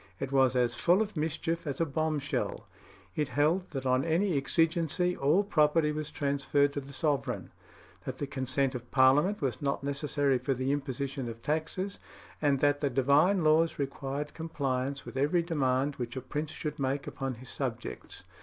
It was as full of mischief as a bomb shell. It held that on any exigency all property was transferred to the sovereign; that the consent of Parliament was not necessary for the imposition of taxes; and that the divine laws required compliance with every demand which a prince should make upon his subjects.